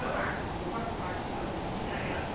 ここはわしのうちだよっと。